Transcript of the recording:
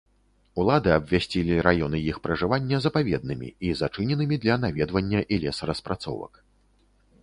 Улады абвясцілі раёны іх пражывання запаведнымі і зачыненымі для наведвання і лесараспрацовак.